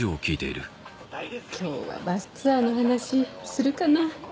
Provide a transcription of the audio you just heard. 今日はバスツアーの話するかな？